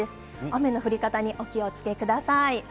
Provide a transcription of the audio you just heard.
雨の降り方にお気をつけください。